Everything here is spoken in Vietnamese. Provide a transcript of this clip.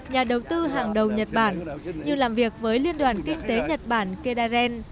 nhà đầu tư hàng đầu nhật bản như làm việc với liên đoàn kinh tế nhật bản kedaen